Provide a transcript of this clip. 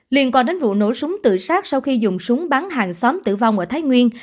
liên quan đến vụ nổ súng tự sát sau khi dùng súng bắn hàng xóm tử vong ở thái nguyên